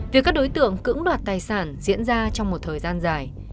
việc các đối tượng cưỡng đoạt tài sản diễn ra trong một thời gian dài